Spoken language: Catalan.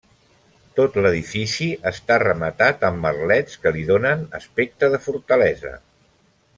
Tot l'edifici està rematat amb merlets que li donen aspecte de fortalesa.